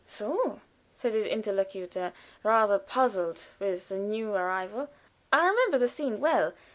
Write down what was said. "So!" said his interlocutor, rather puzzled with the new arrival. I remember the scene well.